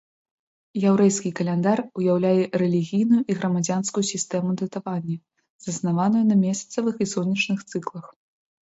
Яўрэйскі каляндар ўяўляе рэлігійную і грамадзянскую сістэму датавання, заснаваную на месяцавых і сонечных цыклах.